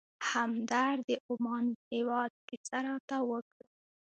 همدرد د عمان هېواد کیسه راته وکړه.